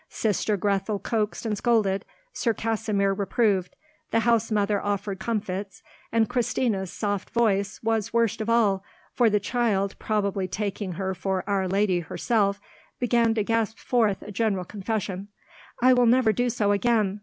Sister Grethel coaxed and scolded, Sir Kasimir reproved, the housemother offered comfits, and Christina's soft voice was worst of all, for the child, probably taking her for Our Lady herself, began to gasp forth a general confession. "I will never do so again!